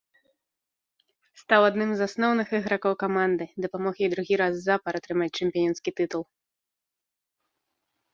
Стаў адным з асноўных ігракоў каманды, дапамог ёй другі раз запар атрымаць чэмпіёнскі тытул.